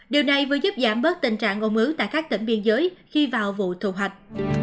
điều này vừa giúp giảm bớt tình trạng ô mứ tại các tỉnh biên giới khi vào vụ thu hoạch